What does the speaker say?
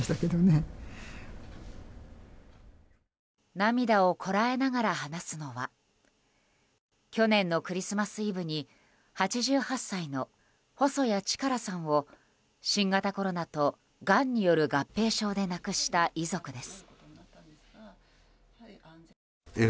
涙をこらえながら話すのは去年のクリスマスイブに８８歳の細矢力さんを新型コロナとがんによる合併症で亡くした遺族です。